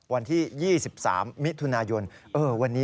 วันที่๒๓มิถุนายน